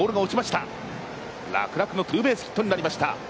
楽々のツーベースヒットになりました。